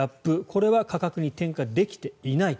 これは価格に転嫁できていない。